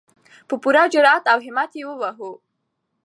په پوره جرئت او همت یې ووهو.